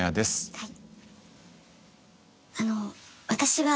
はい。